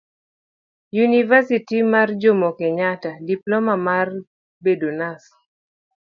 univasiti mar jomo kenyatta ,diploma mar bedo nas